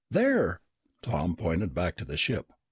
"There!" Tom pointed back to the ship.